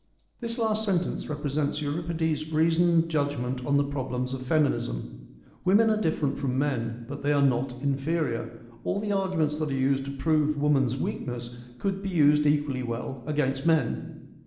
This last sentence represents Euripides' reasoned judgment on the problems of feminism. Women are different from men, but they are not inferior : all the arguments that are used to prove woman's weakness could be used equally well against men.